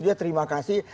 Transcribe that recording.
dia terima kasih